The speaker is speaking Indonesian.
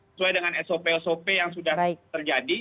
sesuai dengan sop sop yang sudah terjadi